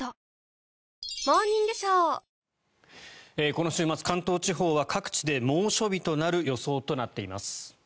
この週末、関東地方は各地で猛暑日となる予想となっています。